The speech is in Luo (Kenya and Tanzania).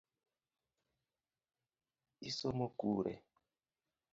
Isomo kure?